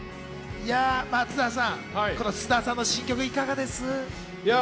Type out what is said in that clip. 松田さん、菅田さんの新曲いかがですか？